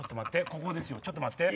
ここですよちょっと待って。